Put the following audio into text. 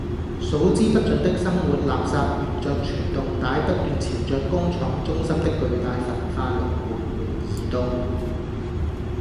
數之不盡的生活垃圾沿著傳動帶不斷朝著工廠中心的巨大焚化爐緩緩移動